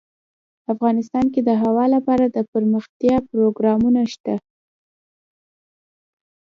افغانستان کې د هوا لپاره دپرمختیا پروګرامونه شته.